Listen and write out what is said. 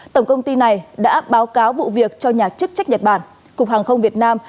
tổng công ty này đã báo cáo vụ việc cho nhà chức trách nhật bản cục hàng không việt nam